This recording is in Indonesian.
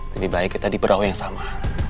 lebih baik kita diperawai yang sama